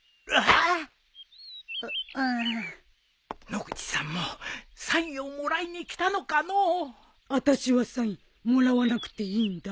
野口さんもサインをもらいに来たのかのう？あたしはサインもらわなくていいんだ。